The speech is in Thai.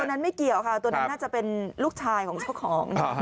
ตัวนั้นไม่เกี่ยวค่ะตัวนั้นน่าจะเป็นลูกชายของเจ้าของ